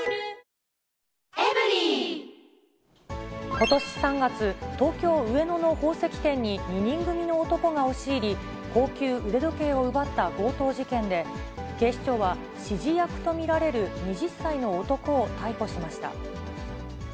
ことし３月、東京・上野の宝石店に２人組の男が押し入り、高級腕時計を奪った強盗事件で、警視庁は、指示役と見られる２０歳の男を逮捕しました。